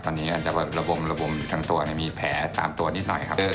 ตอนนี้อาจจะแบบระบมระบมทั้งตัวมีแผลตามตัวนิดหน่อยครับ